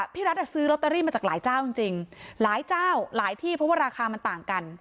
พี่รัฐซื้อลอตเตอรี่มาจากหลายเจ้าจริงหลายเจ้าหลายที่เพราะว่าราคามันต่างกัน